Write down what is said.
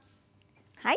はい。